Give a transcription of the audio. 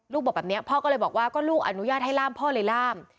บอกแบบนี้พ่อก็เลยบอกว่าก็ลูกอนุญาตให้ล่ามพ่อเลยล่าม